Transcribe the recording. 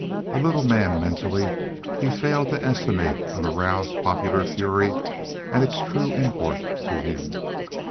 A little man mentally, he failed to estimate an aroused popular fury at its true import to him.